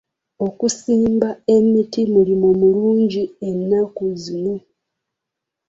Okusimba emiti mulimu mulungi ennaku zino.